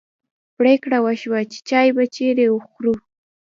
پرېکړه وشوه چې چای به چیرې خورو.